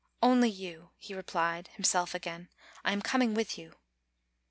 "Only you," he replied, himself again; "I am com ing with you."